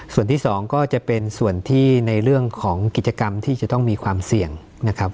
ส่วนที่สองก็จะเป็นส่วนที่ในเรื่องของกิจกรรมที่จะต้องมีความเสี่ยงนะครับ